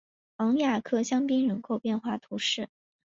昂雅克香槟人口变化图示